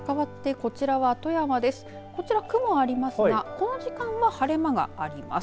こちら雲はありますがこの時間は晴れ間があります。